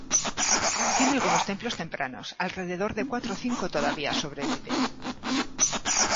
Tiene algunos templos tempranos, alrededor de cuatro o cinco todavía sobreviven.